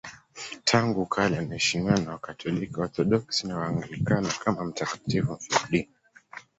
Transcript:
Tangu kale anaheshimiwa na Wakatoliki, Waorthodoksi na Waanglikana kama mtakatifu mfiadini.